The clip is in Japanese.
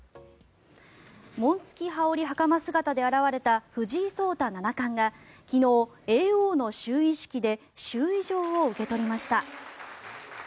紋付羽織袴姿で現れた藤井聡太七冠が昨日、叡王の就位式で就位状を受け取りました。